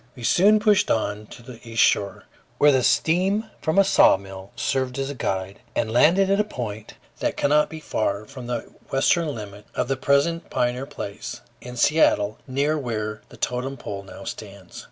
We soon pushed on to the east shore, where the steam from a sawmill served as a guide, and landed at a point that cannot be far from the western limit of the present Pioneer Place, in Seattle, near where the totem pole now stands.